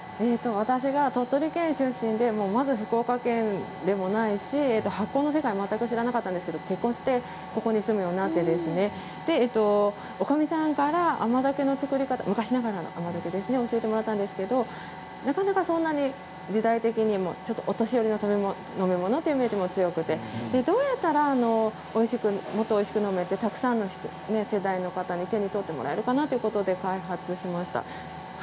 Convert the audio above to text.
私が鳥取県出身でまず福岡県でもないし発酵の世界、全く知らなかったんですけれど、結婚してここに住むようになってですねおかみさんから甘酒の造り方昔ながらの甘酒ですね教えてもらったんですけれどなかなかそんなに時代的にもちょっとお年寄りの飲み物というイメージが強くてどうやったらもっとおいしく飲めてたくさんの世代の方に手に取ってもらえるかなということで開発しました。